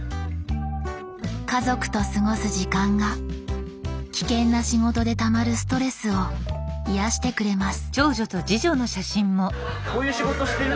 家族と過ごす時間が危険な仕事でたまるストレスを癒やしてくれます。